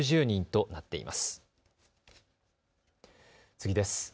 次です。